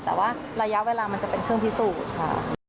แต่ว่าระยะเวลามันจะเป็นเครื่องพิสูจน์ค่ะ